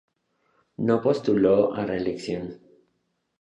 No postuló a reelección.